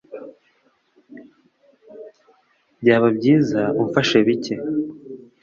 Byaba byiza umfashe bike.